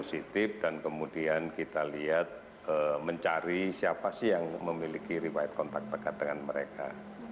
positif dan kemudian kita lihat mencari siapa sih yang memiliki riwayat kontak dekat dengan mereka